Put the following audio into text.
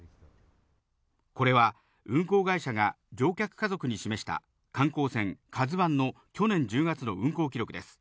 これは、運航会社が乗客家族に示した観光船カズワンの、去年１０月の運航記録です。